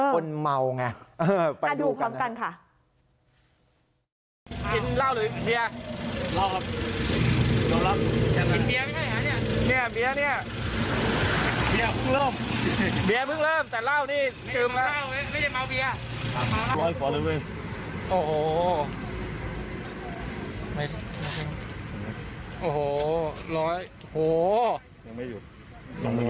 คนเมาไงไปดูกันนะ